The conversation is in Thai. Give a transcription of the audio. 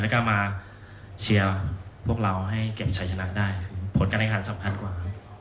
แล้วก็มาเชียร์พวกเราให้เก็บชัยชนะได้ผลการแข่งขันสำคัญกว่า